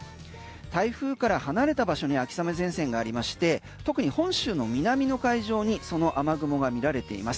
台風から離れた場所に秋雨前線がありまして特に本州の南の海上にその雨雲が見られています。